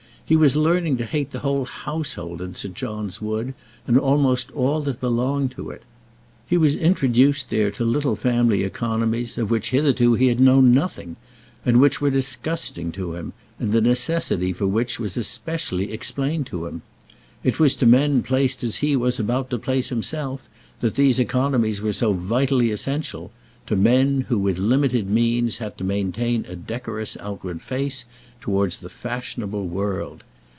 He was learning to hate the whole household in St. John's Wood, and almost all that belonged to it. He was introduced there to little family economies of which hitherto he had known nothing, and which were disgusting to him, and the necessity for which was especially explained to him. It was to men placed as he was about to place himself that these economies were so vitally essential to men who with limited means had to maintain a decorous outward face towards the fashionable world.